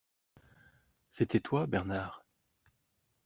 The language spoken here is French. C’était toi, Bernard !